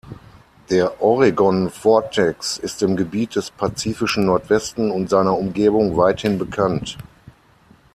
Der Oregon Vortex ist im Gebiet des pazifischen Nordwesten und seiner Umgebung weithin bekannt.